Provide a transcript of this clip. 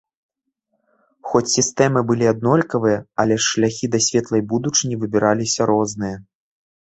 Хоць сістэмы былі аднолькавыя, але ж шляхі да светлай будучыні выбіраліся розныя.